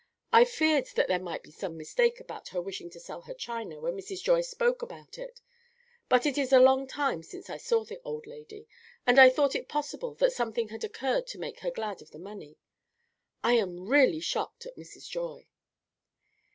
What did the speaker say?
I feared that there might be some mistake about her wishing to sell her china when Mrs. Joy spoke about it; but it is a long time since I saw the old lady, and I thought it possible that something had occurred to make her glad of the money. I am really shocked at Mrs. Joy."